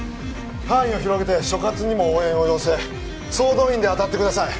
範囲を広げて所轄にも応援を要請総動員で当たってください